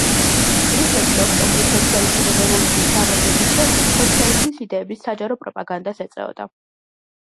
რუსეთში ოქტომბრის სოციალისტური რევოლუციის გამარჯვების შემდეგ სოციალიზმის იდეების საჯარო პროპაგანდას ეწეოდა.